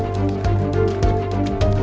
sampai jumpa lagi